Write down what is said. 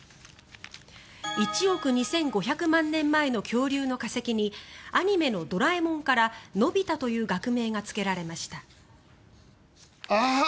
１億２５００万年前の恐竜の化石にアニメの「ドラえもん」からのび太という学名がつけられました。